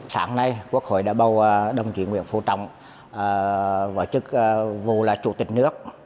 sáng nay quốc hội đã bầu đồng chí nguyễn phú trọng vào chức vụ là chủ tịch nước